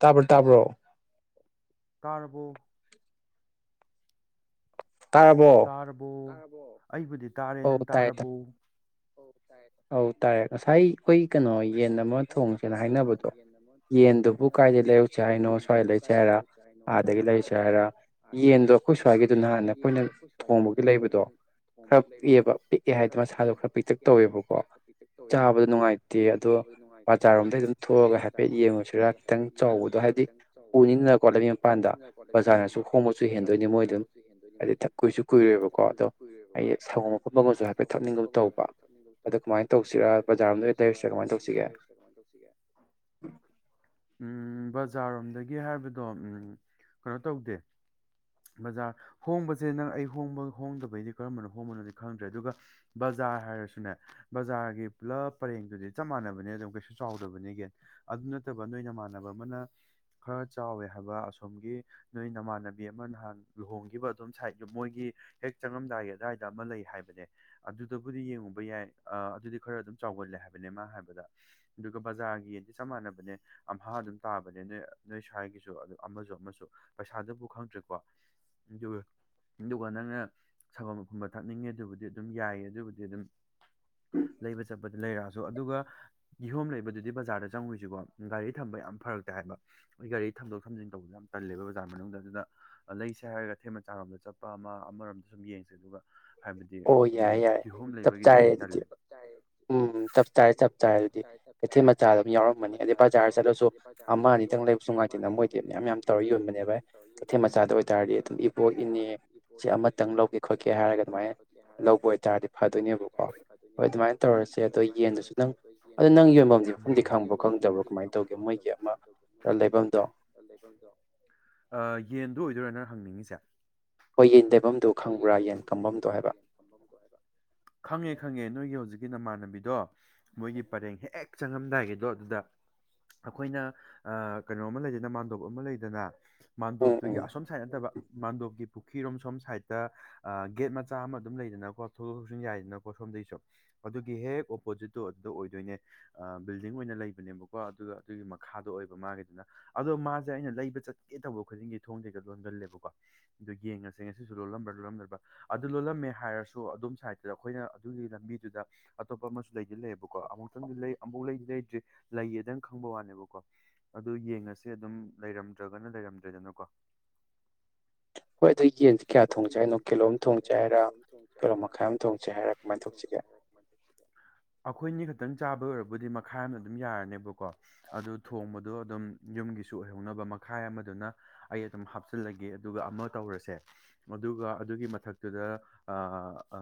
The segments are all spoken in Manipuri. ꯇꯥꯕ꯭ꯔꯣ ꯇꯥꯕ꯭ꯔꯣ ꯇꯔꯕꯣ ꯇꯥꯔꯕꯣ ꯇꯔꯕ‌ꯣ ꯇꯔꯕ‌ꯣ ꯑꯩꯕꯨꯗꯤ ꯇꯥꯔꯦ ꯅꯪ ꯇꯥꯔꯕꯣ ꯑꯧ ꯇꯥꯏ ꯑꯧ ꯇꯥꯔꯦ ꯉꯁꯥꯏ ꯑꯩꯈꯣꯏ ꯀꯩꯅꯣ ꯌꯦꯟ ꯑꯃ ꯊꯣꯡꯁꯦꯅ ꯍꯥꯏꯅꯕꯗꯣ ꯌꯦꯟꯗꯨꯕꯨ ꯀꯥꯏꯗꯩ ꯂꯩꯔꯨꯁꯦ ꯍꯥꯏꯅꯣ ꯁ꯭ꯋꯥꯏꯗ ꯂꯩꯁꯦ ꯍꯥꯏꯔꯥ ꯑꯗꯒꯤ ꯂꯩꯁꯦ ꯍꯥꯏꯔꯥ ꯌꯦꯟꯗꯣ ꯑꯈꯣꯏ ꯁ꯭ꯋꯥꯏꯒꯤꯗꯨ ꯅꯍꯥꯟ ꯑꯈꯣꯏꯅꯛ ꯊꯣꯡꯕꯒꯤ ꯂꯩꯕꯗꯣ ꯈꯔ ꯄꯤꯛꯑꯦꯕꯥ ꯄꯤꯛ- ꯑꯦ ꯍꯥꯏꯗ‌ꯣ ꯃꯁꯥꯗ‌ꯣ ꯈꯔ ꯄꯤꯛꯇꯛ ꯇꯧꯋꯦꯕꯥ ꯁꯥꯗꯨ ꯈ ꯄꯤꯇꯛ ꯇꯧꯋꯦꯕꯀꯣ ꯇꯤ ꯑꯗꯣ ꯕꯖꯥꯔꯣꯝꯗꯩ ꯑꯗꯨꯝ ꯊꯣꯛꯑꯒ ꯍꯥꯏꯐꯦꯠ ꯌꯦꯡꯉꯨꯁꯤꯔꯥ ꯈꯤꯇꯪ ꯆꯥꯎꯕꯗꯣ ꯍꯥꯏꯗꯤ ꯑꯆꯧꯕꯗꯣ ꯍꯥꯏꯗꯤ ꯄꯨꯂꯤꯅꯀꯣ ꯂꯩꯕꯤ ꯄꯥꯟꯗ ꯕꯖꯥꯔꯅꯁꯨ ꯍꯣꯡꯕꯁꯨ ꯍꯦꯟꯗꯣꯏꯅꯦ ꯍꯥꯏꯗꯤ ꯊꯛ ꯀꯨꯏꯁꯨ ꯀꯨꯏꯔꯦꯕꯀꯣ ꯑꯗꯣ ꯑꯩ ꯁꯪꯒꯣꯝ ꯑꯐꯝꯕꯒ ꯑꯣꯏꯁꯨ ꯍꯥꯏꯐꯦꯠ ꯊꯛꯅꯤꯡꯒꯨꯝ ꯇꯧꯕ ꯑꯗꯣ ꯀꯃꯥꯏ ꯇꯧꯁꯤꯔꯥ ꯕꯖꯥꯔꯔꯣꯝꯗꯩ‌ ꯂꯩꯁꯤꯔꯥ ꯀꯃꯥꯏ ꯇꯧꯁꯤꯒꯦ ꯀꯃꯥꯏ ꯇꯧꯁꯤꯒꯦ ꯎꯝ ꯕꯖꯥꯔꯔꯣꯝꯗꯒꯤ ꯍꯥꯏꯕꯗꯣ ꯎꯝ ꯀꯩꯅꯣ ꯇꯧꯗꯦ ꯕꯖꯥꯔ ꯍꯣꯡꯕꯁꯦ ꯅꯪ ꯑꯩ ꯍꯣꯡꯕ ꯍꯣꯡꯗꯕꯩꯗꯤ ꯀꯔꯝꯕꯅꯣ ꯍꯣꯡꯕꯅꯣꯗꯤ ꯈꯪꯗ꯭ꯔꯦ ꯑꯗꯨꯒ ꯕꯖꯥꯔ ꯍꯥꯏꯔꯁꯨꯅꯦ ꯕꯖꯥꯔꯒꯤ ꯄꯨꯂꯞ ꯄꯔꯦꯡꯗꯨꯗꯤ ꯆꯞ ꯃꯥꯟꯅꯕꯅꯦ ꯑꯗꯨꯝ ꯀꯩꯁꯨ ꯆꯥꯎꯗꯕꯅꯦ ꯌꯦꯟ ꯑꯗꯨ ꯅꯠꯇꯕ ꯅꯣꯏ ꯅꯃꯥꯟꯅꯕ ꯑꯃꯅ ꯈꯔ ꯆꯥꯎꯋꯦ ꯍꯥꯏꯕ ꯑꯁꯣꯝꯒꯤ ꯅꯣꯏ ꯅꯃꯥꯟꯅꯕꯤ ꯑꯃ ꯅꯍꯥꯟ ꯂꯨꯍꯣꯡꯈꯤꯕ ꯑꯗꯣꯝ ꯁꯥꯏꯠ ꯃꯣꯏꯒꯤ ꯍꯦꯛ ꯆꯪꯉꯝꯗꯥꯏꯒꯤ ꯑꯗꯥꯏꯗ ꯑꯃ ꯂꯩ ꯍꯥꯏꯕꯅꯦ ꯑꯗꯨꯗꯕꯨꯗꯤ ꯌꯦꯡꯉꯨꯕ ꯌꯥꯏ ꯑ ꯑꯗꯨꯗꯤ ꯈꯔ ꯑꯗꯨꯝ ꯆꯥꯎꯒꯜꯂꯦ ꯍꯥꯏꯕꯅꯦ ꯃꯥ ꯍꯥꯏꯕꯗ ꯑꯗꯨꯒ ꯕꯖꯥꯔꯒꯤ ꯌ‌ꯦꯟꯗꯤ ꯆꯞ ꯃꯥꯟꯅꯕꯅꯦ ꯑꯝꯍꯥ ꯑꯗꯨꯝ ꯇꯥꯕꯅꯦ ꯅꯣꯏ ꯅꯣꯏ ꯁ꯭ꯋꯥꯏꯒꯤꯁꯨ ꯑꯗꯨ ꯑꯃꯁꯨ ꯑꯃꯁꯨ ꯄꯩꯁꯥꯗꯕꯨ ꯈꯪꯗ꯭ꯔ‌ꯦꯀꯣ ꯑꯗꯨꯒ ꯑꯗꯨꯒ ꯅꯪꯅ ꯁꯪꯒꯣꯝ ꯑꯐꯝꯕ ꯊꯛꯅꯤꯡꯉꯦ ꯑꯗꯨꯕꯨꯗꯤ ꯑꯗꯨꯝ ꯌꯥꯏꯌꯦ ꯑꯗꯨꯕꯨꯗꯤ ꯑꯗꯨꯝ ꯂꯩꯕ ꯆꯠꯄꯗ ꯂꯩꯔꯛꯑꯁꯨ ꯑꯗꯨꯒ ꯀꯤꯍꯣꯝ ꯂꯩꯕꯗꯨꯗꯤ ꯕꯖꯥꯔꯗ ꯆꯪꯉ‌ꯣꯏꯁꯤꯀꯣ ꯒꯥꯔꯤ ꯊꯝꯕ ꯌꯥꯝ ꯐꯔꯛ ꯇꯥꯏꯕ ꯑꯩ ꯒꯥꯔꯤ ꯊꯝꯗꯣꯛ ꯊꯝꯖꯤꯟ ꯇꯧꯕꯗꯨ ꯌꯥꯝ ꯇꯜꯂꯦꯕ ꯕꯖꯥꯔ ꯃꯅꯨꯡꯗ ꯑꯗꯨꯅ ꯑꯗꯩ ꯁꯥꯔ ꯑꯊꯦꯟ ꯃꯆꯥꯔꯣꯝꯗ ꯆꯠꯄ ꯑꯃ ꯑꯃꯔꯣꯝꯗ ꯁꯨꯝ ꯌꯦꯡꯁꯦ ꯑꯗꯨꯒ ꯍꯥꯏꯕꯗꯤ ꯎꯝ ꯀꯤꯍꯣꯝ ꯂꯩꯕꯒꯤꯗꯨꯗꯤ ꯇꯜꯂꯦꯕ ꯆꯥꯏꯌ‌ꯦ ꯎꯝ [unintelligible] ꯆꯥꯔꯦ ꯆꯞ ꯆꯥꯔꯦꯗꯨꯗꯤ ꯀꯩꯊꯦꯟ ꯃꯆꯥ ꯑꯗꯨꯝ ꯌꯥꯎꯔꯝꯃꯅꯤ ꯑꯗꯩ ꯕꯖꯥꯔ ꯆꯠꯂꯁꯨ ꯑꯃ ꯑꯅꯤꯇꯪ ꯂꯩ ꯁꯨꯡꯉꯥꯏꯇꯦꯅ ꯃꯣꯏꯗꯤ ꯃꯌꯥꯝ ꯃꯌꯥꯝ ꯇꯧꯔ ꯌꯣꯟꯕꯅꯦꯕ ꯀꯩꯊꯦꯜ ꯃꯆꯥꯗ ꯑꯣꯏꯇꯥꯔꯗꯤ ꯑꯗꯨꯝ ꯏꯕꯣꯛ ꯏꯅꯦ ꯁꯤ ꯑꯃꯇꯪ ꯂꯧꯒꯦ ꯈꯣꯠꯀꯦ ꯍꯥꯏꯔꯒ ꯑꯗꯨꯃꯥꯏꯅ ꯂꯧꯕ ꯑꯣꯏꯇꯥꯔꯗꯤ ꯐꯗꯣꯏꯅꯦꯕꯀꯣ ꯍꯣꯏ ꯑꯗꯨꯃꯥꯏꯅ ꯇꯧꯔ ꯁꯦ ꯑꯗꯣ ꯌꯦꯟꯗꯨꯁꯨ ꯅꯪ ꯑꯗꯣ ꯅꯪ ꯌꯣꯟꯐꯝꯁ‌ꯦ ꯃꯐꯝꯗꯤ ꯈꯪꯕ꯭ꯔꯣ ꯈꯪꯗꯕ꯭ꯔ‌ꯣ ꯀꯃꯥꯏ ꯇꯧꯒꯦ ꯃꯣꯏꯒꯤ ꯑꯃ ꯑ ꯂꯩꯚꯝꯗꯣ ꯂꯩꯚꯝꯗ‌ꯣ ꯑꯥ ꯌꯦꯟꯗꯣ ꯑꯣꯏꯗꯣꯏꯔꯥ ꯅꯪ ꯍꯪꯅꯤꯡꯉꯤꯁꯦ ꯍꯣꯏ ꯌꯦꯟ ꯂꯩꯚꯝꯗꯨ ꯈꯪꯕ꯭ꯔꯥ ꯌꯦꯟ ꯀꯝꯚꯝꯗ‌ꯣ ꯍꯥꯏꯕ ꯈꯪꯉꯦ-ꯈꯪꯉꯦ ꯅꯣꯏꯒꯤ ꯍꯧꯖꯤꯛꯀꯤ ꯅꯃꯥꯟꯅꯕꯤꯗꯣ ꯃꯣꯏꯒꯤ ꯄꯔꯦꯡ ꯍꯦꯛ ꯆꯪꯉꯝꯗꯥꯏꯒꯤꯗꯣ ꯑꯗꯨꯗ ꯑꯩꯈꯣꯏꯅ ꯀꯩꯅꯣꯝꯃ ꯂꯩꯗꯅ ꯃꯥꯟꯗꯣꯞ ꯑꯃ ꯂꯩꯗꯅ ꯃꯥꯟꯗꯣꯞꯇꯨꯒꯤ ꯑꯁꯣꯝ ꯁꯥꯏꯠ ꯅꯠꯇꯕ ꯃꯥꯟꯗꯣꯞꯀꯤ ꯄꯨꯈꯤꯔꯣꯝ ꯁꯣꯝ ꯁꯥꯏꯠ ꯒꯦꯠ ꯃꯆꯥ ꯑꯃ ꯑꯗꯨꯝ ꯂꯩꯗꯅꯀꯣ ꯊꯧꯗꯣꯛ ꯊꯧꯆꯟ ꯌꯥꯏꯗꯅꯀꯣ ꯁꯣꯝꯗꯩꯁꯨ ꯑꯗꯨꯒꯤ ꯍꯦꯛ ꯑꯣꯄꯣꯖꯤꯠꯇꯨ ꯑꯗꯨꯗ ꯑꯣꯏꯗꯣꯏꯅꯦ ꯑ ꯕꯤꯜꯗꯤꯡ ꯑꯣꯏꯅ ꯂꯩꯕꯅꯦꯕꯀꯣ ꯑꯗꯨꯒ ꯑꯗꯨꯒꯤ ꯃꯈꯥꯗꯣ ꯑꯣꯏꯕ ꯃꯥꯒꯤꯗꯨꯅ ꯑꯗꯣ ꯃꯥꯖꯦ ꯑꯩꯅ ꯂꯩꯕ ꯆꯠꯀꯦ ꯇꯧꯕ ꯈꯨꯗꯤꯡꯒꯤ ꯊꯣꯡꯗꯤ ꯍꯦꯛꯇ ꯂꯣꯟꯒꯜꯂꯦꯕꯀꯣ ꯑꯗꯨ ꯌꯦꯡꯉꯁꯦ ꯉꯁꯤꯁꯨ ꯁꯨ ꯂꯣꯜꯂꯝꯕ꯭ꯔꯥ ꯂꯣꯜꯂꯝꯗ꯭ꯕꯔꯥ ꯑꯗꯨ ꯂꯣꯜꯂꯝꯃꯦ ꯍꯥꯏꯔꯁꯨ ꯑꯗꯣꯝ ꯁꯥꯏꯠꯇꯨꯗ ꯑꯈꯣꯏꯅ ꯑꯗꯨꯒꯤ ꯂꯝꯕꯤꯗꯨꯗ ꯑꯇꯣꯞꯄ ꯑꯃꯁꯨ ꯂꯩꯗꯤ ꯂꯩꯌꯦꯕꯀꯣ ꯑꯃꯨꯛꯇꯪꯗꯤ ꯂꯩ ꯑꯃꯕꯧ ꯂꯩꯗꯤ ꯂꯩꯗꯔ꯭ꯤ ꯂꯩꯌꯦꯗ ꯈꯪꯕ ꯋꯥꯅꯦꯕꯀꯣ ꯑꯗꯨ ꯌꯦꯡꯉꯁꯦ ꯑꯗꯨꯝ ꯂꯩꯔꯝꯗ꯭ꯔꯒꯅ ꯂꯩꯔꯝꯗ꯭ꯔꯦꯗꯅꯀꯣ ꯍꯣꯏ ꯑꯗ ꯌꯦꯡ ꯀꯌꯥ ꯊꯣꯡꯁꯦ ꯍꯥꯏꯅꯣ ꯀꯤꯂꯣ ꯑꯝ ꯊꯣꯡꯁꯦ ꯍꯥꯏꯔ ꯀꯤꯂꯣ ꯃꯈꯥꯏ ꯑꯃ ꯊꯣꯡꯁꯦ ꯍꯥꯏꯔꯥ ꯀꯃꯥꯏ ꯇꯧꯁꯤꯒꯦ [inaudible] ꯑꯈꯣꯏꯅꯤ ꯈꯛꯇꯪ ꯆꯥꯕꯩ ꯑꯣꯏꯔꯕꯨꯗꯤ ꯃꯈꯥꯏ ꯑꯃꯅ ꯑꯗꯨꯝ ꯌꯥꯔꯅꯦꯕꯀꯣ ꯑꯗꯨ ꯊꯣꯡꯕꯗꯣ ꯑꯗꯨꯝ ꯌꯨꯝꯒꯤꯁꯨ ꯑꯣꯏꯍꯧꯅꯕ ꯃꯈꯥꯏ ꯑꯃꯗꯨꯅ ꯑꯩ ꯑꯗꯨꯝ ꯍꯥꯞꯆꯤꯜꯂꯒꯦ ꯑꯗꯨꯒ ꯑꯃ ꯇꯧꯔꯁꯦ ꯑꯗꯨꯒ ꯑꯗꯨꯒꯤ ꯃꯊꯛꯇꯨꯗ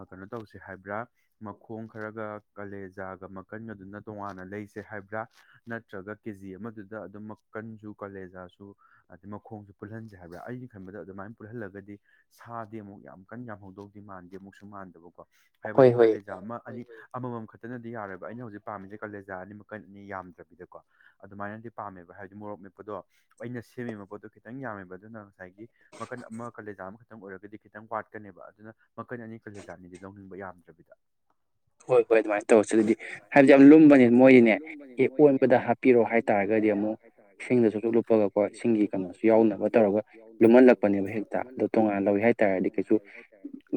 ꯀꯩꯅꯣ ꯇꯧꯁꯦ ꯍꯥꯏꯕ꯭ꯔꯥ ꯃꯈꯣꯡ ꯈꯔꯒ ꯀꯥꯂꯦꯖꯥꯒ ꯃꯀꯟꯒꯗꯨꯅ ꯇꯣꯉꯥꯟꯅ ꯂꯩꯁꯦ ꯍꯥꯏꯕ꯭ꯔꯥ ꯅꯠꯇ꯭ꯔꯒ ꯀꯦ ꯖꯤ ꯑꯃꯗꯨꯗ ꯑꯗꯨꯝ ꯃꯥꯀꯟꯁꯨ ꯀꯥꯂꯦꯖꯥꯁꯨ ꯑꯗꯩ ꯃꯈꯣꯡꯁꯨ ꯄꯨꯜꯍꯟꯁꯦ ꯍꯥꯏꯕ꯭ꯔꯥ ꯑꯩꯅ ꯈꯟꯕꯗ ꯑꯗꯨꯃꯥꯏ ꯄꯨꯜꯍꯜꯂꯒꯗꯤ ꯁꯥꯗꯤ ꯑꯃꯨꯛ ꯌꯥꯝ ꯀꯟꯅ ꯌꯥꯝꯍꯧꯗꯧꯗꯤ ꯃꯥꯟꯗꯦ ꯑꯃꯨꯛꯁꯨ ꯃꯥꯟꯗꯕꯀꯣ ꯍꯥꯏꯕꯗꯤ ꯀꯥꯂꯦꯖꯥ ꯑꯃ ꯑꯅꯤ ꯑꯃꯃꯝ ꯈꯛꯇꯅꯗꯤ ꯌꯥꯔꯣꯏꯕ ꯑꯩꯅ ꯍꯧꯖꯤꯛ ꯄꯥꯝꯃꯤꯁꯦ ꯀꯥꯂꯦꯖꯥ ꯑꯅꯤ ꯃꯥꯀꯟ ꯑꯅꯤ ꯌꯥꯝꯗ꯭ꯔꯕꯤꯗꯀꯣ ꯑꯗꯨꯃꯥꯏꯅꯗꯤ ꯄꯥꯝꯃꯦꯕ ꯍꯥꯏꯗꯤ ꯃꯣꯔꯣꯛ ꯃꯦꯠꯄꯗꯣ ꯑꯩꯅ ꯁꯦꯝꯃꯤꯕ ꯄꯣꯠꯇꯨ ꯈꯤꯇꯪ ꯌꯥꯝꯃꯦꯕ ꯑꯗꯨꯅ ꯉꯁꯥꯏꯒꯤ ꯃꯥꯀꯟ ꯑꯃ ꯀꯥꯂꯦꯖꯥ ꯑꯃ ꯑꯣꯏꯔꯒꯗꯤ ꯈꯤꯇꯪ ꯋꯥꯠꯀꯅꯦꯕ ꯑꯗꯨꯅ ꯃꯀꯟ ꯑꯅꯤ ꯀꯂꯦꯖꯥ ꯑꯅꯤꯗꯤ ꯂꯧꯅꯤꯡꯕ ꯌꯥꯝꯗ꯭ꯔꯕꯤꯗ ꯍꯣꯏ ꯍꯣꯏ ꯑꯗꯨꯃꯥꯏꯅ ꯇꯧꯔꯁꯤ ꯑꯗꯨꯗꯤ ꯍꯥꯏꯕꯗꯤ ꯌꯥꯝ ꯂꯨꯝꯕꯅꯤ ꯃꯣꯏꯅꯦ ꯑꯦ ꯑꯣꯟꯕꯗ ꯄꯤꯔꯣ ꯍꯥꯏꯇꯥꯔꯒꯗꯤ ꯑꯃꯨꯛ ꯏꯁꯤꯡꯗꯁꯨ ꯗꯨꯞ ꯂꯨꯞꯄꯒꯀꯣ ꯏꯁꯤꯡꯒꯤ ꯀꯩꯅꯣꯁꯨ ꯌꯥꯎꯅꯕ ꯇꯧꯔꯒ ꯂꯨꯝꯍꯜꯂꯛꯄꯅꯦꯕ ꯍꯦꯛꯇ ꯇꯣꯉꯥꯟ ꯂꯧꯋꯤ ꯍꯥꯏꯇꯥꯔꯗꯤ ꯀꯩꯁꯨ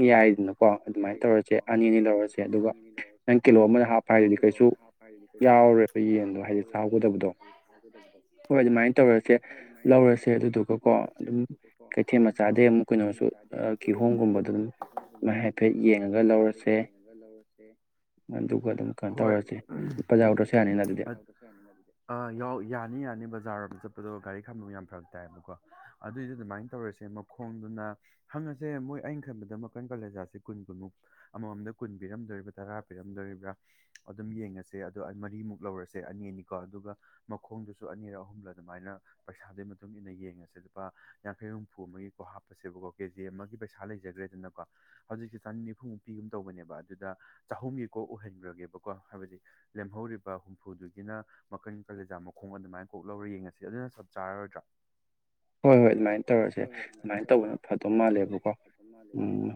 ꯌꯥꯏꯗꯅꯀꯣ ꯑꯗꯨꯃꯥꯏꯅ ꯇꯧꯔꯁꯦ ꯑꯅꯤ ꯑꯅꯤ ꯂꯧꯔꯁꯦ ꯑꯗꯨꯒ ꯅꯪ ꯀꯤꯂꯣ ꯑꯃꯗ ꯍꯥꯞꯄ ꯍꯥꯏꯗꯨꯗꯤ ꯀꯩꯁꯨ ꯌꯥꯎꯔꯔꯣꯏꯕ ꯌꯦꯟꯗꯣ ꯍꯥꯏꯗꯤ ꯆꯥꯍꯧꯒꯗꯕꯗꯣ ꯍꯣꯏ ꯑꯗꯨꯃꯥꯏꯅ ꯇꯧꯔꯁꯦ ꯂꯧꯔꯁꯦ ꯑꯗꯨꯗꯨꯒꯀꯣ ꯑꯗꯨꯝ ꯀꯩꯊꯦꯜ ꯃꯆꯥꯗꯩ ꯑꯃꯨꯛ ꯀꯩꯅꯣꯁꯨ ꯑꯥ ꯀꯤꯍꯣꯝꯒꯨꯝꯕꯗ ꯑꯗꯨꯝ ꯉꯥꯏꯍꯥꯐꯦꯠ ꯌꯦꯡꯉꯒ ꯂꯧꯔꯁꯦ [unintelligible] ꯑꯥ ꯌꯥꯎ ꯌꯥꯅꯤ ꯌꯥꯅꯤ ꯕꯖꯥꯔ ꯕꯥꯎ ꯆꯠꯄꯗꯣ ꯒꯥꯔꯤ ꯈꯥꯝꯕꯥꯝ ꯌꯥꯝ ꯐꯔꯛ ꯇꯥꯏꯌꯦꯕꯀꯣ ꯑꯗꯨꯏꯗꯤ ꯑꯗꯨꯃꯥꯏꯅ ꯇꯧꯔꯁꯦ ꯃꯈꯣꯡ ꯑꯗꯨꯅ ꯍꯪꯉꯁꯦ ꯃꯣꯏ ꯑꯩꯅ ꯈꯟꯕꯗ ꯃꯀꯟ ꯀꯥꯂꯦꯖꯥꯁꯦ ꯀꯨꯟ ꯀꯨꯟ ꯃꯨꯛ ꯑꯃꯃꯝꯗ ꯀꯨꯟ ꯄꯤꯔꯝꯗꯣꯔꯤꯕ꯭ꯔꯥ ꯇꯔꯥ ꯄꯤꯔꯝꯗꯣꯔꯤꯕ꯭ꯔꯥ ꯑꯗꯨꯝ ꯌꯦꯡꯉꯁꯦ ꯑꯗꯣ ꯃꯔꯤꯃꯨꯛ ꯂꯧꯔꯁꯦ ꯑꯅꯤ ꯑꯅꯤꯀꯣ ꯑꯗꯨꯒ ꯃꯈꯣꯡꯗꯨꯁꯨ ꯑꯅꯤꯔ ꯑꯍꯨꯝꯂ ꯑꯗꯨꯃꯥꯏꯅ ꯄꯩꯁꯥꯗꯨꯏ ꯃꯇꯨꯡ ꯏꯟꯅ ꯌꯦꯡꯉꯁꯦ ꯂꯨꯄꯥ ꯌꯥꯡꯈꯩ ꯍꯨꯝꯐꯨ ꯑꯃꯒꯤꯀꯣ ꯍꯥꯞꯄꯁꯦꯕꯀꯣ ꯀꯦꯖꯤ ꯑꯃꯒꯤ ꯄꯩꯁꯥ ꯂꯩꯖꯒꯔꯦꯗꯅꯀꯣ ꯍꯧꯖꯤꯛꯁꯦ ꯆꯅꯤ ꯅꯤꯐꯨꯃꯨꯛ ꯄꯤꯒꯨꯝ ꯇꯧꯕꯅꯦꯕ ꯑꯗꯨꯗ ꯆꯍꯨꯝꯒꯤꯀꯣꯛ ꯑꯣꯏꯍꯟꯒꯔꯒꯦꯕꯀꯣ ꯍꯥꯏꯕꯗꯤ ꯂꯦꯝꯍꯧꯔꯤꯕ ꯍꯨꯝꯐꯨꯗꯨꯒꯤꯅ ꯃꯀꯟ ꯀꯥꯂꯦꯖꯥ ꯃꯈꯣꯡ ꯑꯗꯨꯃꯥꯏꯅ ꯀꯣꯛ ꯂꯧꯔ ꯌꯦꯡꯉꯁꯤ ꯑꯗꯨꯅ ꯆꯞꯆꯥꯔꯣꯏꯗ꯭ꯔꯥ ꯍꯣꯏ ꯍꯣꯏ ꯑꯗꯨꯃꯥꯏꯅ ꯇꯧꯔꯁꯦ ꯑꯗꯨꯃꯥꯏꯅ ꯇꯧꯕꯅ ꯐꯗꯧ ꯃꯥꯜꯂꯦꯕꯀꯣ ꯃꯥꯜꯂꯦꯕꯀꯣ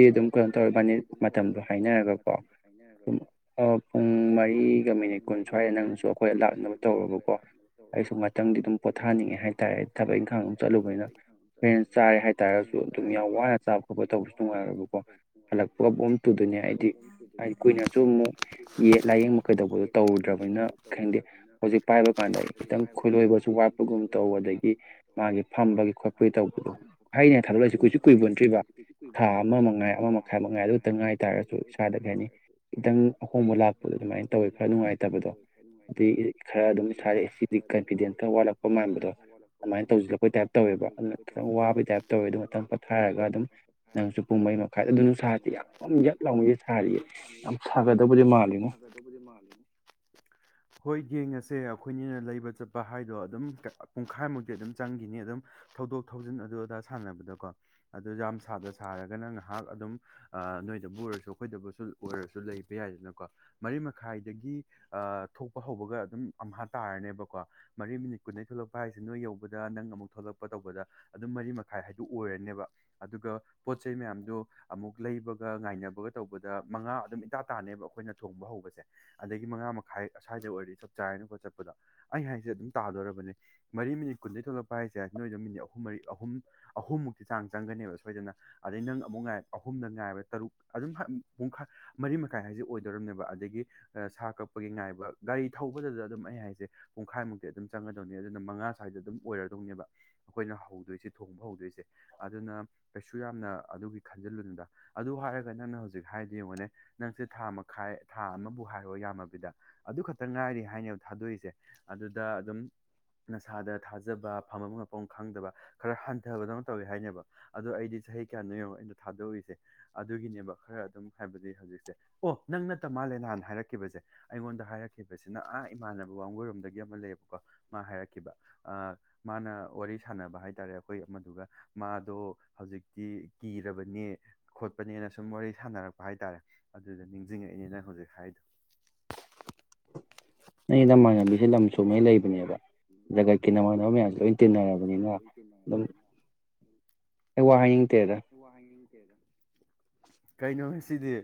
ꯎꯝ ꯍꯣꯏ ꯑꯗꯨꯗꯤ ꯑꯗꯨꯝ ꯀꯩꯅꯣ ꯇꯧꯔ ꯏꯕꯥꯅꯤ ꯃꯇꯝꯗꯣ ꯍꯥꯏꯅꯔꯒꯀꯣ ꯄꯨꯡ ꯃꯔꯤꯒ ꯃꯤꯅꯤꯠ ꯀꯨꯟ ꯁ꯭ꯋꯥꯏꯗ ꯅꯪꯅꯁꯨ ꯑꯈꯣꯏ ꯂꯥꯛꯅꯕ ꯇꯧꯔꯣꯕꯀꯣ ꯑꯩꯁꯨ ꯉꯥꯛꯇꯪꯗꯤ ꯑꯗꯨꯝ ꯄꯣꯊꯥꯅꯤꯡꯉꯦ ꯍꯥꯏꯇꯥꯔꯦ ꯊꯕꯛ ꯏꯪꯈꯥꯡ ꯑꯗꯨꯝ ꯆꯠꯂꯨꯕꯅꯤꯅ ꯍꯣꯔꯦꯅ ꯆꯥꯔꯦ ꯍꯥꯏ ꯇꯥꯔꯒꯁꯨ ꯑꯗꯨꯝ ꯌꯥꯝ ꯋꯥꯅ ꯆꯥꯕ ꯈꯣꯠꯄ ꯇꯧꯕꯁꯨ ꯅꯨꯡꯉꯥꯏꯔꯣꯏꯕꯀꯣ ꯍꯜꯂꯛꯄꯒ ꯕꯣꯝ ꯇꯨꯗꯣꯏꯅꯦ ꯍꯥꯏꯗꯤ ꯍꯥꯏꯗꯤ ꯀꯨꯏꯅꯁꯨ ꯑꯃꯨꯛ ꯌꯦꯠ ꯂꯥꯏꯌꯦꯡꯕ ꯀꯩꯗꯧꯕꯗꯣ ꯇꯧꯔꯨꯗ꯭ꯔꯕꯅꯤꯅ ꯈꯪꯗꯦ ꯍꯧꯖꯤꯛ ꯄꯥꯏꯕ ꯀꯥꯟꯗ ꯈꯤꯇꯪ ꯈꯨꯠꯂꯣꯏꯕꯁꯨ ꯋꯥꯠꯄꯒꯨꯝ ꯇꯧ ꯑꯗꯒꯤ ꯃꯥꯒꯤ ꯐꯝꯕꯒꯤ ꯈꯣꯠꯄꯒꯤ ꯇꯧꯕꯗꯣ ꯍꯩꯅ ꯊꯛꯂꯛꯏꯁꯤ ꯀꯨꯏꯁꯨ ꯀꯨꯏꯄꯣꯟꯇꯔ꯭ꯤꯕ ꯊꯥ ꯑꯃ ꯃꯉꯥꯏ ꯑꯃ ꯃꯈꯥꯏ ꯃꯉꯥꯏ ꯑꯗꯨꯇ ꯉꯥꯏ ꯇꯥꯔꯒꯁꯨ ꯏꯁꯥꯗ ꯀꯩ ꯍꯥꯏꯅꯤ ꯈꯤꯇꯪ ꯑꯍꯣꯡꯕ ꯂꯥꯛꯄꯗꯣ ꯑꯗꯨꯃꯥꯏꯅ ꯇꯧꯋꯤ ꯈꯔ ꯅꯨꯡꯉꯥꯏꯇꯕꯗꯣ ꯑꯗꯨꯏ ꯈꯔ ꯑꯗꯨꯝ ꯁꯥꯔꯛ ꯁꯤꯗꯤ ꯀꯟꯐꯤꯗꯦꯟꯁ ꯈꯔ ꯋꯥꯠꯂꯛꯄ ꯃꯥꯟꯕꯗꯣ [unintelligible] ꯑꯗꯨꯃꯥꯏꯅ ꯇꯧꯁꯤꯜꯂꯛꯄꯩ ꯇꯥꯏꯞ ꯇꯧꯋꯦꯕ ꯑꯗꯨꯅ ꯈꯤꯇꯪ ꯋꯥꯕꯩ ꯇꯥꯏꯞ ꯇꯧꯋꯦ ꯑꯗꯨ ꯉꯥꯇꯪ ꯄꯣꯊꯥꯏꯔꯒ ꯑꯗꯨꯝ ꯅꯪꯁꯨ ꯄꯨꯡ ꯃꯔꯤ ꯃꯈꯥꯏꯗ ꯑꯗꯨ ꯅꯨꯡ ꯁꯥꯗꯤ ꯌꯥꯝ ꯌꯥꯛ ꯂꯥꯎꯃꯩꯗꯤ ꯁꯥꯔꯤꯌꯦ ꯌꯥꯝ ꯁꯥꯒꯗꯕꯨꯗꯤ ꯃꯥꯜꯂꯤꯉꯣ ꯒꯗꯕꯨꯗꯤ ꯃꯥꯜꯂꯤ [unintelligible] ꯍꯣꯏ ꯌꯦꯡꯉꯁꯦ ꯑꯩꯈꯣꯏꯅꯤꯅ ꯂꯩꯕ ꯆꯠꯄ ꯍꯥꯏꯗꯣ ꯑꯗꯨꯝ ꯄꯨꯡꯈꯥꯏꯃꯨꯛꯇꯤ ꯑꯗꯨꯝ ꯆꯪꯈꯤꯅꯤ ꯑꯗꯨꯝ ꯊꯧꯗꯣꯛ ꯊꯧꯖꯤꯟ ꯑꯗꯨ ꯑꯗꯥ ꯁꯥꯟꯅꯕꯗꯀꯣ ꯑꯗꯨ ꯌꯥꯝ ꯁꯥꯗ ꯁꯥꯔꯒꯅ ꯉꯥꯏꯍꯥꯛ ꯑꯗꯨꯝ ꯑ ꯅꯣꯏꯗꯕꯨ ꯑꯣꯏꯔꯁꯨ ꯑꯩꯈꯣꯏꯗꯕꯨꯁꯨ ꯑꯣꯏꯔꯁꯨ ꯂꯩꯕ ꯌꯥꯏꯗꯅꯀꯣ ꯃꯔꯤ ꯃꯈꯥꯏꯗꯒꯤ ꯑ ꯊꯣꯛꯄ ꯍꯧꯕꯒ ꯑꯗꯨꯝ ꯑꯝꯍꯥ ꯇꯥꯥꯔꯅꯦꯕꯀꯣ ꯃꯔꯤ ꯃꯤꯅꯤꯠ ꯀꯨꯟꯗꯩ ꯊꯣꯛꯂꯛꯄ ꯍꯥꯏꯁꯦ ꯅꯣꯏ ꯌꯧꯕꯗ ꯅꯪ ꯑꯃꯨꯛ ꯊꯣꯛꯂꯛꯄ ꯇꯧꯕꯗ ꯑꯗꯨꯝ ꯃꯔꯤ ꯃ ꯈꯥꯏ ꯍꯥꯏꯗꯨ ꯑꯣꯏꯔꯅꯦꯕ ꯑꯗꯨꯒ ꯄꯣꯠ ꯆꯩꯩ ꯃꯌꯥꯝꯗꯣ ꯑꯃꯨꯛ ꯂꯩꯕꯒ ꯉꯥꯏꯅꯕꯒ ꯇꯧꯕꯗ ꯃꯉꯥ ꯑꯗꯨꯝ ꯏꯇꯥ ꯇꯥꯅꯦꯕ ꯑꯩꯈꯣꯏꯅ ꯊꯣꯡꯕ ꯍꯧꯕꯁꯦ ꯑꯗꯒꯤ ꯃꯉꯥ ꯃꯈꯥꯏ ꯑꯁꯥꯏꯗ ꯑꯣꯏꯔꯗꯤ ꯆꯞ ꯆꯥꯔꯅꯤ ꯀꯣ ꯆꯠꯄꯗ ꯑꯩ ꯍꯥꯏꯁꯦ ꯑꯗꯨꯝ ꯇꯥꯗꯣꯔꯕꯅꯦ ꯃꯔꯤ ꯃꯤꯅꯤꯠ ꯀꯨꯟꯗꯩ ꯊꯣꯛꯂꯛꯄ ꯍꯥꯏꯁꯦ ꯅꯣꯏꯗ ꯃꯤꯅꯤꯠ ꯑꯍꯨꯝ ꯃꯔꯤ ꯑꯍꯨꯝ ꯑꯍꯨꯝꯃꯨꯛꯇꯤ ꯆꯥꯡ ꯆꯪꯒꯅꯦꯕ ꯁꯣꯏꯗꯅ ꯑꯗꯩ ꯅꯪ ꯑꯃꯨꯛ ꯉꯥꯏ ꯑꯍꯨꯝꯗ ꯉꯥꯏꯕ ꯇꯔꯨꯛ ꯑꯗꯨꯝ ꯄꯨꯡꯈꯥꯏ ꯃꯔꯤ ꯃꯈꯥꯏ ꯍꯥꯏꯁꯦ ꯑꯣꯏꯗꯣꯔꯝꯅꯦꯕ ꯑꯗꯒꯤ ꯁꯥ ꯀꯛꯄꯒꯤ ꯉꯥꯏꯕ ꯒꯥꯔꯤ ꯊꯧꯕꯗꯗ ꯑꯗꯨꯝ ꯑꯩ ꯍꯥꯏꯁꯦ ꯄꯨꯡꯈꯥꯏꯃꯨꯛꯇꯤ ꯑꯗꯨꯝ ꯆꯪꯒꯗꯧꯅꯤ ꯑꯗꯨꯅ ꯃꯉꯥ ꯁ꯭ꯋꯥꯏꯗ ꯑꯗꯨꯝ ꯑꯣꯏꯔꯗꯧꯅꯦꯕ ꯑꯩꯈꯣꯏꯅ ꯍꯧꯗꯣꯏꯁꯤ ꯊꯣꯡꯕ ꯍꯧꯗꯣꯏꯁꯦ ꯑꯗꯨꯅ ꯀꯩꯁꯨ ꯌꯥꯝꯅ ꯑꯗꯨꯒꯤ ꯈꯟꯖꯤꯜꯂꯨꯅꯨꯗ ꯑꯗꯨ ꯍꯥꯏꯔꯒ ꯅꯪꯅ ꯍꯧꯖꯤꯛ ꯍꯥꯏꯗꯤ ꯌꯦꯡꯉꯣꯅꯦ ꯅꯪꯁꯦ ꯊꯥ ꯃꯈꯥꯏ ꯊꯥ ꯑꯃꯕꯨ ꯍꯥꯏꯔꯣ ꯌꯥꯝꯃꯕꯤꯗ ꯑꯗꯨ ꯈꯛꯇ ꯉꯥꯏꯔꯤ ꯍꯥꯏꯅꯦꯕ ꯊꯥꯗꯣꯏꯁꯦ ꯑꯗꯨꯗ ꯑꯗꯨꯝ ꯅꯁꯥꯗ ꯊꯥꯖꯕ ꯐꯝꯕꯝ ꯂꯥꯛꯐꯝ ꯈꯪꯗꯕ ꯈꯔ ꯍꯟꯊꯕꯗꯧꯅ ꯇꯧꯋꯦ ꯍꯥꯏꯅꯦꯕ ꯑꯗꯣ ꯑꯩꯗꯤ ꯆꯍꯤ ꯀꯌꯥꯅꯣ ꯌꯦꯡꯉꯣ ꯑꯩꯅꯣ ꯊꯥꯗꯣꯛꯏꯁꯦ ꯑꯗꯨꯒꯤꯅꯦꯕ ꯈꯔ ꯑꯗꯨꯝ ꯍꯥꯏꯕꯗꯤ ꯍꯧꯖꯤꯛꯁꯦ ꯑꯣ ꯅꯪ ꯅꯠꯇ ꯃꯥꯜꯂꯦ ꯅꯍꯥꯟ ꯍꯥꯏꯔꯛꯈꯤꯕꯁꯦ ꯑꯩꯉꯣꯟꯗ ꯍꯥꯏꯔꯛꯈꯤꯕꯁꯤꯅ ꯑꯥ ꯏꯃꯥꯟꯅꯕ ꯋꯥꯡꯒꯣꯏꯔꯣꯝꯗꯒꯤ ꯑꯃ ꯂꯩꯌꯦꯕꯀꯣ ꯃꯥ ꯍꯥꯏꯔꯛꯈꯤꯕ ꯑ ꯃꯥꯅ ꯋꯥꯔꯤ ꯁꯥꯟꯅꯕ ꯍꯥꯏ ꯍꯥꯏꯇꯥꯔꯦ ꯑꯩꯈꯣꯏ ꯑꯃꯗꯨꯒ ꯃꯥꯗꯣ ꯍꯧꯖꯤꯛꯇꯤ ꯀꯤꯔꯕꯅꯤ ꯈꯣꯠꯄꯅꯦꯅ ꯁꯨꯝ ꯋꯥꯔꯤ ꯁꯥꯟꯅꯔꯛꯄ ꯍꯥꯏꯇꯥꯔꯦ ꯑꯗꯨꯗ ꯅꯤꯡꯖꯤꯡꯉꯛꯏꯅꯤ ꯅꯪ ꯍꯧꯖꯤꯛ ꯍꯥꯏꯗꯣ ꯅꯩ ꯅꯃꯥꯟꯕꯤꯁꯤ ꯂꯝ ꯁꯨꯃꯩ ꯂꯩꯕꯅꯦꯕ ꯖꯒꯠꯀꯤ ꯅꯃꯥꯟꯅꯕ ꯃꯌꯥꯝꯁꯦ ꯂꯣꯏ ꯇꯤꯟꯅꯔꯕꯅꯤꯅ ꯑꯗꯨꯝ ꯑꯩ ꯋꯥ ꯍꯥꯏꯅꯤꯡꯇꯦꯗ ꯑꯩ ꯋꯥ ꯍꯥꯏꯅꯤꯡꯇꯦꯗ [unintelligible] ꯀꯩꯅꯣ ꯉꯁꯤꯗꯤ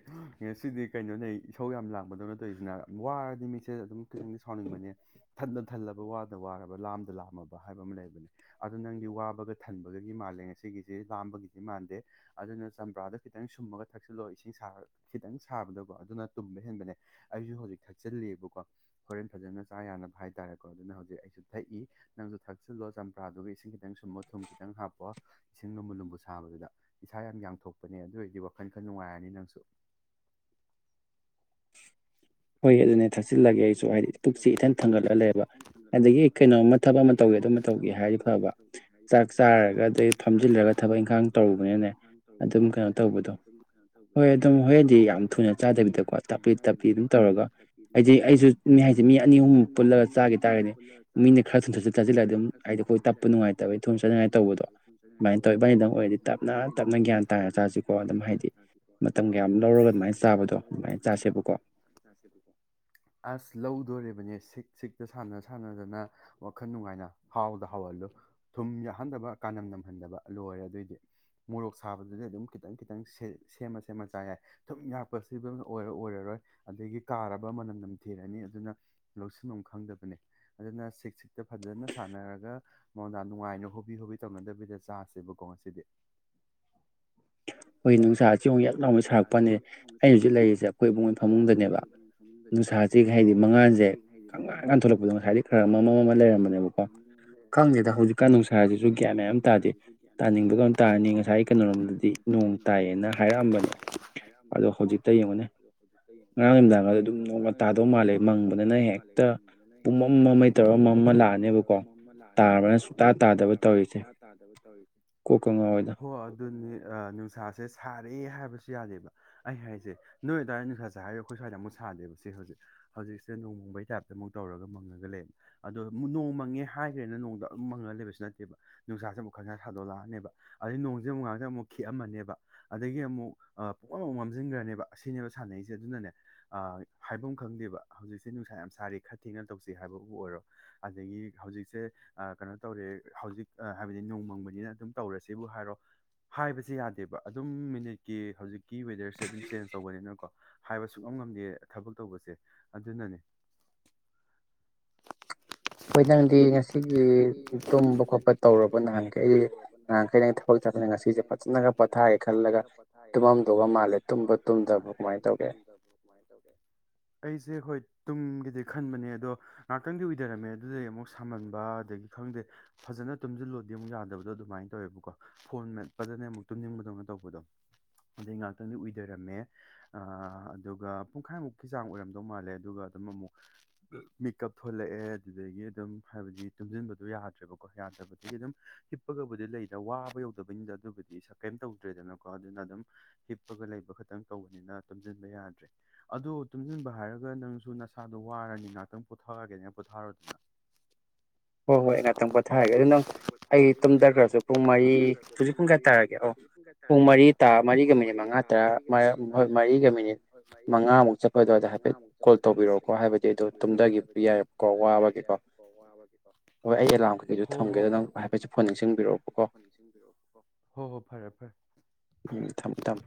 ꯉꯁꯤꯗꯤ ꯀꯩꯅꯣꯅꯦ ꯏꯁꯧ ꯌꯥꯝ ꯂꯥꯡꯕꯗꯧꯅ ꯇꯧꯔꯤꯁꯤꯅ ꯋꯥꯔꯗꯤ ꯃꯤꯁꯦ ꯑꯗꯨꯝ ꯈꯤꯇꯪꯗꯤ ꯁꯥꯎꯅꯤꯡꯕꯅꯦ ꯊꯟꯗ ꯊꯜꯂꯕ ꯋꯥꯗ ꯋꯥꯔꯕ ꯂꯥꯝꯗ ꯂꯥꯝꯃꯕ ꯍꯥꯏꯕ ꯑꯃ ꯂꯩꯕꯅꯦ ꯑꯗꯨ ꯅꯪꯗꯤ ꯋꯥꯕꯒ ꯊꯟꯕꯒꯒꯤ ꯃꯥꯜꯂꯦ ꯉꯁꯤꯒꯤꯁꯤ ꯂꯥꯝꯕꯒꯤꯗꯤ ꯃꯥꯟꯗꯦ ꯑꯗꯨꯅ ꯆꯝꯄ꯭ꯔꯥꯗꯣ ꯈꯤꯇꯪ ꯁꯨꯝꯃꯒ ꯊꯛꯆꯜꯂꯣ ꯏꯁꯤꯡ ꯑꯁꯥꯕꯗ ꯈꯤꯇꯪ ꯁꯥꯕꯗꯀꯣ ꯑꯗꯨꯅ ꯇꯨꯝꯕ ꯍꯦꯟꯕꯅꯦ ꯑꯩꯁꯨ ꯍꯧꯖꯤꯛ ꯊꯛꯆꯤꯜꯂꯤꯌꯦꯕꯀꯣ ꯍꯣꯔꯦꯟ ꯐꯖꯅ ꯆꯥ ꯌꯥꯅꯕ ꯍꯥꯏꯇꯥꯔꯦꯀꯣ ꯑꯗꯨꯅ ꯍꯧꯖꯤꯛ ꯑꯩꯁꯨ ꯊꯛꯏ ꯅꯪꯁꯨ ꯊꯛꯆꯜꯂꯣ ꯆꯝꯄ꯭ꯔꯥꯗꯨꯒ ꯏꯁꯤꯡ ꯈꯤꯇꯪ ꯁꯨꯝꯃꯣ ꯊꯨꯝ ꯈꯤꯇꯪ ꯍꯥꯞꯄꯣ ꯏꯁꯤꯡ ꯂꯨꯝꯕꯨ ꯂꯨꯝꯕꯨ ꯁꯥꯕꯗꯨꯗ ꯏꯁꯥ ꯌꯥꯝ ꯌꯥꯡꯊꯣꯛꯄꯅꯦ ꯑꯗꯨ ꯑꯣꯏꯔꯗꯤ ꯋꯥꯈꯜ ꯈꯔ ꯅꯨꯡꯉꯥꯏꯔꯅꯤ ꯅꯪꯁꯨ ꯍꯣꯏ ꯑꯗꯨꯅꯦ ꯊꯥꯛꯆꯤꯜꯂꯒꯦ ꯑꯩꯁꯨ ꯍꯥꯏꯗꯤ ꯄꯨꯛꯁꯤ ꯏꯊꯟ ꯊꯥꯡꯒꯠꯂ ꯂꯩꯌꯦꯕ ꯑꯗꯒꯤ ꯀꯩꯅꯣꯝ ꯊꯕꯛ ꯑꯃ ꯇꯧꯒꯦ ꯑꯗꯨ ꯑꯃ ꯇꯧꯒꯦ ꯍꯥꯏꯔꯗꯤ ꯐꯕ ꯆꯥꯛ ꯆꯥꯔꯒ ꯑꯗꯩ ꯐꯝꯖꯤꯜꯂꯒ ꯊꯕꯛ ꯏꯪꯈꯥꯡ ꯇꯧꯔꯨꯕꯅꯤꯅꯅꯦ ꯑꯗꯨꯝ ꯀꯩꯅꯣ ꯇꯧꯕꯗꯣ ꯍꯣꯏ ꯑꯗꯨꯝ ꯍꯣꯔꯦꯟꯗꯤ ꯌꯥꯝ ꯊꯨꯅ ꯆꯥꯗꯕꯤꯗꯀꯣ ꯇꯥꯞꯂꯤ ꯇꯥꯞꯂꯤ ꯑꯗꯨꯝ ꯇꯧꯔꯒ ꯑꯩꯗꯤ ꯑꯩꯁꯨ ꯃꯤ ꯍꯥꯏꯁꯦ ꯃꯤ ꯑꯅꯤ ꯑꯍꯨꯝ ꯄꯨꯜꯂꯒ ꯆꯥꯒꯤ ꯇꯥꯔꯗꯤꯅꯦ ꯃꯤꯅ ꯈꯔ [unintelligible] ꯆꯥꯁꯤꯜꯂꯗꯤ ꯑꯃꯨꯛ ꯍꯥꯏꯗꯤ ꯑꯩꯈꯣꯏ ꯇꯞꯄ ꯅꯨꯡꯉꯥꯏꯇꯕꯩ ꯊꯨꯅ ꯆꯠꯅꯤꯡꯉꯥꯏ ꯇꯧꯕꯗꯣ ꯑꯗꯨꯃꯥꯏꯅ ꯇꯧꯋꯤ ꯏꯕꯅꯤꯗꯪ ꯑꯣꯏꯔꯗꯤ ꯇꯞꯅ ꯇꯞꯅ ꯒ꯭ꯌꯥꯟ ꯇꯥꯅ ꯆꯥꯁꯤ ꯀꯣ ꯑꯗꯨꯝ ꯍꯥꯏꯗꯤ ꯃꯇꯝꯒ ꯌꯥꯝ ꯂꯧꯔꯒ ꯑꯗꯨꯃꯥꯏꯅ ꯆꯥꯕꯗꯣ ꯑꯗꯨꯃꯥꯏꯅ ꯆꯥꯁ ꯆꯥꯕꯗꯣ ꯆꯥꯁꯦ ꯗꯨꯀꯣ ꯑꯁ ꯂꯧꯗꯣꯔꯤꯕꯅꯦ ꯁꯤꯛ ꯁꯤꯛꯇ ꯁꯥꯟꯅ ꯁꯥꯟꯅꯗꯅ ꯋꯥꯈꯜ ꯅꯨꯡꯉꯥꯏꯅ ꯍꯥꯎꯗ ꯍꯥꯎꯍꯜꯂꯨ ꯊꯨꯝ ꯌꯥꯛꯍꯟꯗꯕ ꯀꯥꯟꯅꯝ ꯅꯝꯍꯟꯗꯕ ꯂꯣꯏꯔꯦ ꯑꯗꯨꯏꯗꯤ ꯃꯣꯔꯣꯛ ꯁꯥꯕꯗꯨꯗꯤ ꯑꯗꯨꯝ ꯈꯤꯇꯪ ꯈꯤꯇꯪ ꯁꯦꯝꯃ ꯁꯦꯝꯃ ꯆ ꯌꯥꯏ ꯊꯨꯝ ꯌꯥꯛꯄꯁꯤꯃ ꯑꯣꯏꯔ ꯑꯣꯏꯔꯔꯣꯏ ꯑꯗꯒꯤ ꯀꯥꯔꯕ ꯃꯅꯝ ꯅꯝꯊꯤꯔꯅꯤ ꯑꯗꯨꯅ ꯂꯧꯁꯤꯟꯐꯝ ꯈꯪꯗꯕꯅꯦ ꯑꯗꯨꯅ ꯁꯤꯛꯁ ꯁꯤꯛꯇ ꯐꯖꯅ ꯁꯥꯟꯅꯔꯒ ꯃꯣꯟꯗꯥ ꯅꯨꯡꯉꯥꯏꯅ ꯍꯣꯕꯤ ꯍꯣꯕꯤ ꯇꯧꯅꯗꯕꯤꯗ ꯆꯥꯁꯦꯕꯀꯣ ꯉꯁꯤꯗꯤ ꯍꯣꯏ ꯅꯨꯡꯁꯥ ꯌꯦꯠ ꯂꯥꯎꯉꯩ ꯁꯥꯔꯛꯄꯅꯦ ꯑꯩꯩꯅ ꯍꯧꯖꯤꯛ ꯂꯩꯔꯤꯁꯦ ꯑꯩꯈꯣꯏ ꯏꯕꯨꯡꯉꯣꯏꯒꯤ ꯐꯃꯨꯡꯗꯅꯦꯕ ꯅꯨꯡꯁꯥ ꯍꯥꯏꯗꯤ ꯃꯉꯥꯟꯁꯦ ꯑꯉꯥꯟ ꯑꯉꯥꯟ ꯊꯣꯛꯂꯛꯄꯗꯣ ꯉꯁꯥꯏꯗꯤ ꯈꯔ ꯃꯝꯃ ꯃꯝꯃ ꯂꯩꯔꯝꯕꯅꯦꯕꯀꯣ ꯈꯪꯗꯦꯗ ꯍꯧꯖꯤꯛꯇꯤ ꯍꯧꯖꯤꯛꯀꯥꯟ ꯅꯨꯡꯁꯥꯁꯤꯁꯨ ꯒ꯭ꯌꯥꯟ ꯃꯦꯟ ꯑꯝ ꯇꯥꯗꯦ ꯇꯥꯅꯤꯡꯕꯒ ꯑꯃ ꯇꯥꯔꯅꯤ ꯉꯁꯥꯏ ꯀꯩꯅꯣꯔꯣꯝꯗꯗꯤ ꯅꯣꯡ ꯇꯥꯏꯌꯦꯅ ꯍꯥꯏꯔꯛꯑꯝꯕꯅꯦ꯫ ꯑꯗꯣ ꯍꯧꯖꯤꯛꯇ ꯌꯦꯡꯉꯨꯅꯦ ꯉꯔꯥꯡ ꯅꯨꯃꯤꯗꯥꯡꯒꯗꯣ ꯗꯨꯝ ꯅꯣꯡꯒ ꯇꯥꯗꯧ ꯃꯥꯜꯂꯦ ꯃꯪꯕꯗꯅ ꯍꯦꯛꯇ꯫ ꯄꯨꯝꯃꯝ ꯃꯝꯃꯩ ꯇꯧꯔ ꯃꯝꯃ ꯂꯥꯛꯑꯅꯦꯕꯀꯣ ꯇꯥꯕꯔ ꯁꯨꯡꯇꯥ ꯇꯥꯗꯕ ꯇꯧꯔꯤꯁꯦ꯫ [unintelligible] ꯀꯣꯛꯀ ꯉꯥꯎꯋꯤꯗ꯫ ꯑꯗꯨꯅꯦ ꯑ ꯅꯨꯡꯁꯥꯁꯦ ꯁꯥ ꯐꯔꯦ ꯍꯥꯏꯕꯁꯨ ꯌꯥꯗꯦꯕ ꯑꯩ ꯍꯥꯏꯁꯦ ꯅꯣꯏ ꯑꯗꯨꯋꯥꯏꯗ ꯅꯨꯡꯁꯥ ꯁꯥꯏ ꯍꯥꯏꯔꯤꯕꯨ ꯑꯩꯈꯣꯏ ꯁ꯭ꯋꯥꯏꯗ ꯑꯃꯨꯛ ꯁꯥꯗꯦꯕ ꯁꯤ ꯍꯧꯖꯤꯛ꯫ ꯍꯧꯖꯤꯛꯁꯦ ꯅꯣꯡꯃꯪꯕꯩ ꯇꯥꯏꯞꯇ ꯑꯃꯨꯛ ꯇꯧꯔꯒ ꯃꯪꯉꯒ ꯂꯩꯕ꯫ ꯑꯗꯣ ꯅꯣꯡ ꯃꯪꯉꯦ ꯍꯥꯏꯈ꯭ꯔꯦꯅ ꯅꯣꯡꯗ ꯑꯗꯨꯝ ꯃꯪꯉ ꯂꯩꯕꯁꯨ ꯅꯠꯇꯦꯕ꯫ ꯅꯨꯡꯁꯥꯥꯁꯦ ꯑꯃꯨꯛ ꯈꯪꯁꯥ ꯁꯥꯗꯣꯛꯂꯛꯑꯅꯦꯕ ꯑꯗꯩ ꯅꯣꯡꯁꯦ ꯑꯃꯨꯛ ꯉꯥꯛꯇꯪ ꯑꯃꯨꯛ ꯈꯤꯛꯑꯝꯃꯅꯤꯕ꯫ ꯑꯗꯒꯤ ꯑꯃꯨꯛ ꯄꯨꯝꯃꯝ ꯑꯃꯨꯛ ꯃꯝꯁꯤꯟꯈ꯭ꯔꯅꯦꯕ ꯑꯁꯤꯅꯦꯕ ꯁꯥꯟꯅꯩꯁꯦ ꯑꯗꯨꯅꯅꯦ꯫ ꯍꯥꯏꯕꯝ ꯈꯪꯗꯦꯕ ꯍꯧꯖꯤꯛꯁꯦ ꯅꯨꯡꯁꯥ ꯌꯥꯝ ꯁꯥꯔꯤ ꯈꯔ ꯊꯦꯡꯅ ꯇꯧꯁꯤ ꯍꯥꯏꯕꯕꯨ ꯑꯣꯏꯔꯣ꯫ ꯑꯗꯒꯤ ꯍꯧꯖꯤꯛꯁꯦ꯫ ꯀꯩꯅꯣ ꯇꯧꯔꯦ ꯍꯧꯖꯤꯛ ꯍꯥꯏꯕꯗꯤ ꯅꯣꯡꯃꯪꯕꯅꯤꯅ ꯑꯗꯨꯝ ꯇꯧꯔꯁꯦꯕꯨ ꯍꯥꯏꯔꯣ꯫ ꯍꯥꯏꯕꯁꯦ ꯌꯥꯗꯦꯕ ꯑꯗꯨꯝ ꯃꯤꯅꯤꯠꯀꯤ ꯍꯧꯖꯤꯛꯀꯤ ꯋꯦꯗꯔꯁꯦ ꯑꯗꯨꯝ ꯆꯦꯟꯖ ꯇꯧꯕꯅꯤꯅꯀꯣ꯫ ꯍꯥꯏꯕ ꯁꯨꯛꯉꯝ ꯉꯝꯗꯦ ꯊꯕꯛ ꯇꯧꯕꯁꯦ ꯑꯗꯨꯅꯅꯦ꯫ [unintelligible] ꯍꯣꯏ ꯅꯪꯗꯤ ꯉꯁꯤꯒꯤ ꯇꯨꯝꯕ ꯈꯣꯠꯄ ꯇꯧꯔꯕ ꯅꯍꯥꯟꯒꯩ ꯅꯍꯥꯟꯈꯩꯅ ꯑꯩ ꯊꯕꯛ ꯆꯠꯄꯅꯤꯅ ꯉꯁꯤꯖꯦ ꯐꯖꯅꯒ ꯄꯣꯊꯥꯒꯦ ꯈꯜ ꯐꯅꯒ ꯄꯣꯊꯥꯒꯦ ꯈꯜꯂꯒ ꯇꯨꯝꯃꯝꯗꯧꯕ ꯃꯥꯜꯂꯦ ꯇꯨꯝꯕ ꯇꯨꯝꯗꯕ ꯀꯃꯥꯏꯅ ꯇꯧꯒꯦ꯫ ꯑꯩꯁꯦ ꯍꯣꯏ ꯇꯨꯝꯒꯦꯗꯤ ꯈꯟꯕꯅꯦ ꯑꯗꯣ꯫ ꯉꯥꯛꯇꯪꯗꯤ ꯎꯏꯊꯔꯝꯃꯦ ꯑꯗꯨꯗꯩ ꯑꯃꯨꯛ ꯁꯥꯃꯟꯕ ꯑꯗꯒꯤ ꯈꯪꯗꯦ꯫ ꯐꯖꯅ ꯇꯨꯝꯁꯤꯜꯂꯣꯗꯤ ꯑꯃꯨꯛ ꯌꯥꯗꯕꯗꯣ ꯑꯗꯨꯃꯥꯏꯅ ꯇꯧꯋꯦꯕꯀꯣ ꯐꯣꯟ ꯃꯦꯠꯄꯗ ꯑꯃꯨꯛ ꯇꯨꯝꯅꯤꯡꯕꯗꯣ꯫ ꯇꯧꯕꯗꯣ ꯑꯗꯩ ꯉꯥꯛꯇꯪꯗꯤ ꯑꯨꯏꯗꯔꯝꯃꯦ꯫ ꯑꯗꯨꯒ ꯄꯨꯡꯈꯥꯏꯃꯨꯛꯀꯤ ꯆꯥꯡ ꯑꯣꯏꯔꯝꯗꯧ ꯃꯥꯜꯂꯦ ꯑꯗꯨꯒ ꯑꯗꯨꯝ ꯑꯃꯨꯛ꯫ ꯃꯤꯀꯞ ꯊꯣꯂꯛꯑꯦ ꯑꯗꯨꯗꯒꯤ ꯑꯗꯨꯝ ꯍꯥꯏꯕꯗꯤ ꯇꯨꯝꯁꯤꯟꯕꯗꯣ ꯌꯥꯗ꯭ꯔꯦꯕꯀꯣ ꯌꯥꯗꯕꯗꯒꯤ ꯑꯗꯨꯝ ꯍꯤꯞ ꯆꯞꯄꯒꯕꯨꯗꯤ ꯂꯩꯗ ꯋꯥꯕ ꯌꯧꯗꯕꯩꯅꯤꯗ ꯑꯗꯨꯕꯨꯗꯤ ꯁ ꯀꯔꯤꯝ ꯇꯧ ꯇ꯭ꯔꯦꯗꯅꯀꯣ ꯑꯗꯨꯅ ꯑꯗꯨꯝ ꯍꯤꯞꯄꯒ ꯂꯩꯕ ꯈꯛꯇꯪ ꯀꯧꯕꯅꯤꯅ ꯇꯨꯝꯁꯤꯟꯕ ꯌꯥꯗ꯭ꯔꯦ꯫ ꯑꯗꯣ ꯇꯨꯝꯁꯤꯟꯕ ꯍꯥꯏꯔꯒ ꯅꯪꯁꯨ ꯅꯁꯥꯗꯣ ꯋꯥꯔꯅꯤ ꯉꯥꯏꯍꯥꯛꯇꯪ ꯄꯣꯊꯥꯒꯦ ꯍꯥꯏꯔ ꯄꯣꯊꯥꯔꯣꯗꯅ ꯍꯣꯏ ꯍꯣꯏ ꯑꯩꯅꯥꯛꯇꯪ ꯄꯣꯊꯥꯔꯒꯦ ꯑꯗꯨ ꯅꯪ꯫ ꯑꯩ ꯇꯨꯝꯗꯈ꯭ꯔꯁꯨ ꯄꯨꯡ ꯃꯔꯤ ꯍꯧꯖꯤꯛ ꯄꯨꯡ ꯀꯌꯥ ꯇꯥꯔꯒꯦ ꯑꯣ꯫ ꯄꯨꯡ ꯃꯔꯤ ꯇꯥ ꯃꯔꯤꯒ ꯃꯤꯅꯤꯠ ꯃꯉꯥ ꯇꯔꯥ ꯍꯣꯏ ꯃꯔꯤꯒ ꯃꯤꯅꯤꯠ ꯃꯉꯥꯃꯨꯛ ꯆꯠꯄꯗꯥꯎꯗ ꯍꯥꯏꯐꯦꯠ꯫ ꯀꯣꯜ ꯇꯧꯕꯤꯔꯛꯑꯣꯀꯣ ꯍꯥꯏꯕꯗꯤ ꯑꯩꯗꯣ ꯇꯨꯝꯊꯒꯤ ꯌꯥꯏꯍꯥꯢꯕꯀꯣ ꯋꯥꯕꯒꯤꯀꯣ꯫ ꯍꯣ ꯋꯥꯕꯒꯤ꯫ ꯍꯣꯏ ꯍꯣꯏ ꯃꯩꯒ ꯂꯥꯛꯇꯕꯒ ꯊꯝꯒꯦ ꯑꯗꯨꯝ ꯍꯥꯏꯐꯦꯠ ꯅꯤꯡꯁꯤꯡꯕꯤꯔꯛꯑꯣ ꯀꯣ꯫ ꯍꯣ ꯍꯣ ꯐꯔꯦ ꯐꯔꯦ꯫ ꯎꯝ ꯊꯝꯃꯨ ꯊꯝꯃꯨ꯫